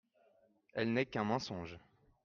Elle n’est qu’un mensonge.